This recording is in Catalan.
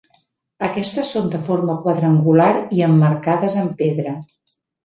Aquestes són de forma quadrangular i emmarcades amb pedra.